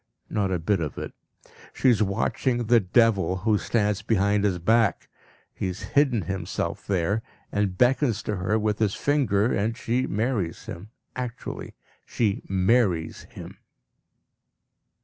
Not a bit of it! She is watching the devil who stands behind his back. He has hidden himself there, and beckons to her with his finger. And she marries him actually she marries him!